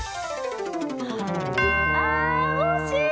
ああおしい！